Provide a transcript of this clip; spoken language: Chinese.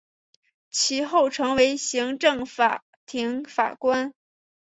其后成为行政法庭法官。